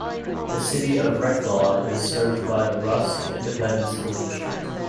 The City of Reklaw is served by the Rusk Independent School District.